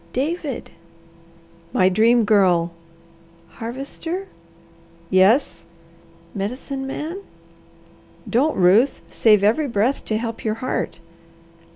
"David!" "My Dream Girl!" "Harvester?" "Yes!" "Medicine Man?" "Don't, Ruth! Save every breath to help your heart."